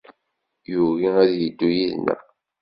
Yugi ad yeddu yid-neɣ